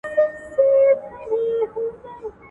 موټر د ونې په سیوري کې د غرمې له لمر خوندي و.